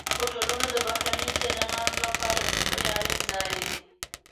هوټلونه د بهرنیو سیلانیانو لپاره لومړنی اړین ځای دی.